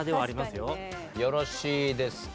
よろしいですか？